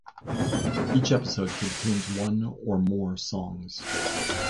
Each episode contains one or more songs.